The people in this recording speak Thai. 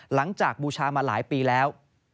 หลังจากบูชามาหลายปีแล้ว